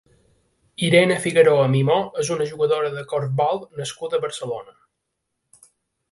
Irene Figueroa Mimó és una jugadora de corfbol nascuda a Barcelona.